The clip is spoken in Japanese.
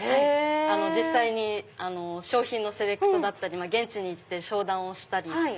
実際に商品のセレクトだったりも現地に行って商談をしたり。